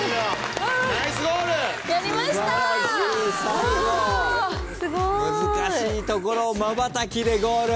最後難しいところをまばたきでゴール。